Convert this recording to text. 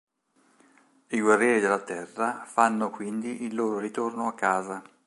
I guerrieri della Terra fanno quindi il loro ritorno a casa.